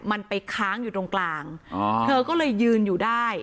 มันไปค้างอยู่ตรงกลางอ๋อเธอก็เลยยืนอยู่ได้